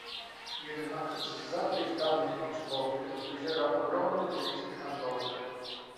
Jednak zza tych danych liczbowych wyziera ogromny deficyt handlowy